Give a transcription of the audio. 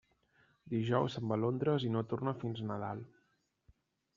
Dijous se'n va a Londres i no torna fins Nadal.